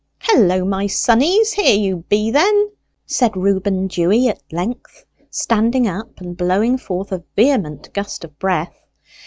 "Hullo, my sonnies, here you be, then!" said Reuben Dewy at length, standing up and blowing forth a vehement gust of breath.